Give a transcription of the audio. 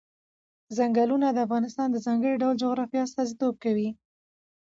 چنګلونه د افغانستان د ځانګړي ډول جغرافیه استازیتوب کوي.